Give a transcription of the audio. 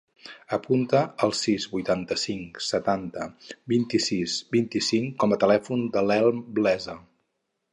Apunta el sis, vuitanta-cinc, setanta, vint-i-sis, vint-i-cinc com a telèfon de l'Elm Blesa.